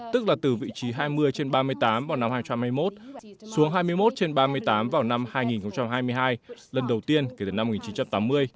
tức là từ vị trí hai mươi trên ba mươi tám vào năm hai nghìn hai mươi một xuống hai mươi một trên ba mươi tám vào năm hai nghìn hai mươi hai lần đầu tiên kể từ năm một nghìn chín trăm tám mươi